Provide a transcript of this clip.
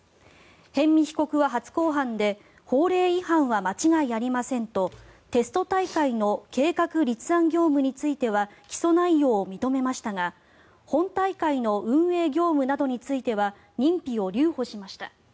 逸見被告は初公判で法令違反は間違いありませんとテスト大会の計画立案業務については起訴内容を認めましたが本大会の運営業務などについては認否を留保しました。